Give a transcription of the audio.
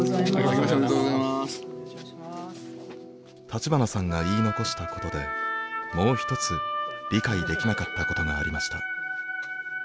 立花さんが言い残したことでもう一つ理解できなかったことがありました。